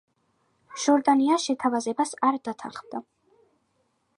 ჟორდანია შეთავაზებას არ დათანხმდა.